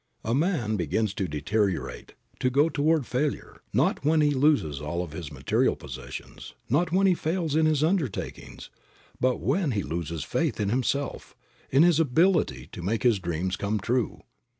A man begins to deteriorate, to go toward failure, not when he loses all of his material possessions, not when he fails in his undertakings, but when he loses faith in himself, in his ability to make his dreams come true.